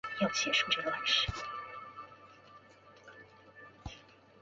米歇尔角是其唯一聚居地。